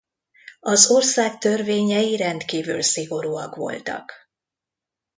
Az ország törvényei rendkívül szigorúak voltak.